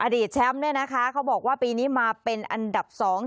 แชมป์เนี่ยนะคะเขาบอกว่าปีนี้มาเป็นอันดับสอง